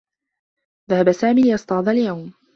ذهب سامي ليصطاد اليوم.